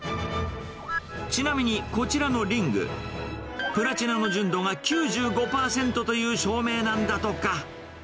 ちなみにこちらのリング、プラチナの純度が９５％という証明なんだとか。